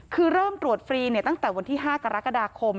คือเริ่มตรวจฟรีตั้งแต่วันที่๕กรกฎาคม